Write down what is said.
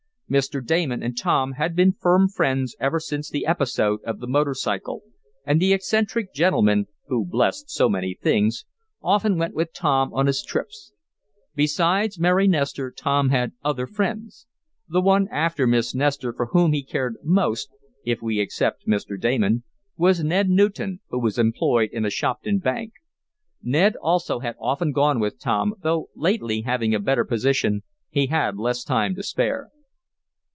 Mr. Damon and Tom had been firm friends ever since the episode of the motor cycle, and the eccentric gentleman (who blessed so many things) often went with Tom on his trips. Besides Mary Nestor, Tom had other friends. The one, after Miss Nestor, for whom he cared most (if we except Mr. Damon) was Ned Newton, who was employed in a Shopton bank. Ned also had often gone with Tom, though lately, having a better position, he had less time to spare.